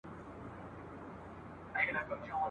نه عمرونه مو کمیږي تر پېړیو ..